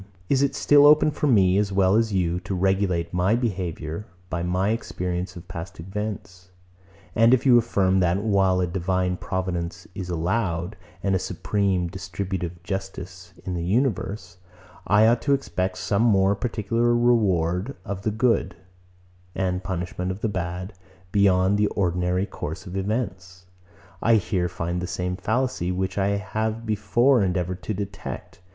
It is still open for me, as well as you, to regulate my behaviour, by my experience of past events. And if you affirm, that, while a divine providence is allowed, and a supreme distributive justice in the universe, I ought to expect some more particular reward of the good, and punishment of the bad, beyond the ordinary course of events; I here find the same fallacy, which I have before endeavoured to detect.